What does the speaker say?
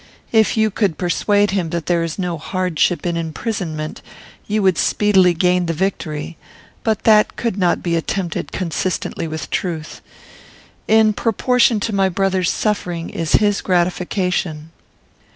If you could persuade him that there is no hardship in imprisonment, you would speedily gain the victory; but that could not be attempted consistently with truth. In proportion to my brother's suffering is his gratification."